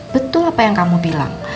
betul apa yang kamu bilang